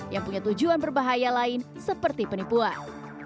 yang punya tujuan berbahaya lain seperti penipuan